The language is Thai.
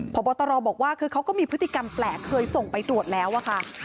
พบตรบอกว่าคือเขาก็มีพฤติกรรมแปลกเคยส่งไปตรวจแล้วอะค่ะ